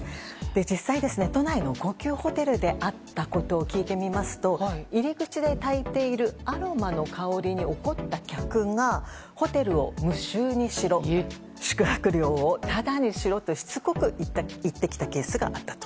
実際、都内の高級ホテルであったことを聞いてみますと入り口でたいているアロマの香りに怒った客が、ホテルを無臭にしろ宿泊料をタダにしろとしつこく言ってきたケースがあったと。